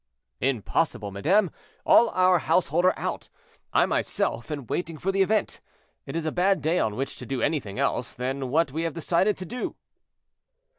"Impossible, madame; all our household are out, I myself am waiting for the event. It is a bad day on which to do anything else than what we have decided to do."